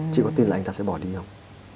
chị có tin là anh ta sẽ bỏ đi không